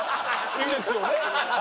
いいですよね？